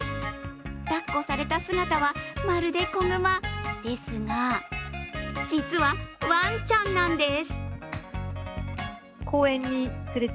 抱っこされた姿はまるで小熊ですが、実は、ワンちゃんなんです。